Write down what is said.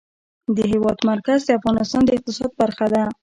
د هېواد مرکز د افغانستان د اقتصاد برخه ده.